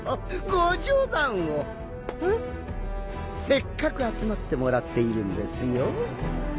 せっかく集まってもらっているんですよ。